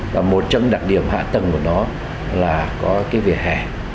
và một trong đặc điểm hạ tầng của nó là có cái vỉa hè